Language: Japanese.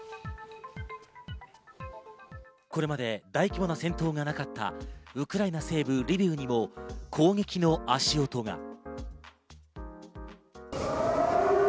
これまで大規模な戦闘がなかった、ウクライナ西部リビウにも攻撃の足音が。